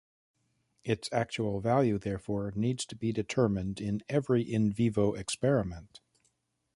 Its actual value therefore needs to be determined in every in vivo experiment.